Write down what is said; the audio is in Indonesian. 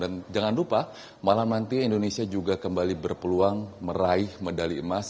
dan jangan lupa malam nanti indonesia juga kembali berpeluang meraih medali emas